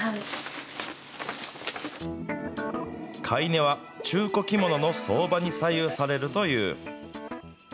買値は中古着物の相場に左右されるという。